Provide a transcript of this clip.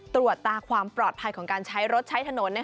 ตรวจตาความปลอดภัยของการใช้รถใช้ถนน